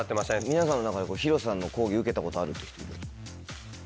皆さんの中でＨＩＲＯさんの講義受けたことあるって人いる？